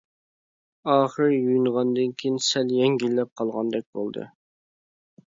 ئاخىرى يۇيۇنغاندىن كېيىن سەل يەڭگىللەپ قالغاندەك بولدى.